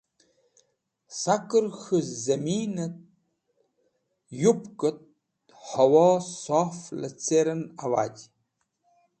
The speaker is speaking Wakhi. Saker K̃hu Zamin et Yupket Hawo Sof licern awaji